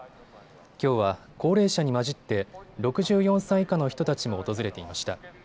きょうは高齢者に交じって６４歳以下の人たちも訪れていました。